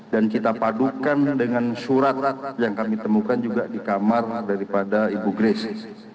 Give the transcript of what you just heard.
kita padukan dengan surat yang kami temukan juga di kamar daripada ibu grace